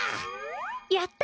やった！